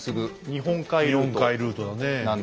日本海ルートだねえ。